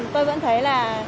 tôi vẫn thấy là